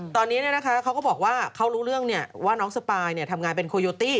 ตอนนี้เขาก็บอกว่าเขารู้เรื่องว่าน้องสปายทำงานเป็นโคโยตี้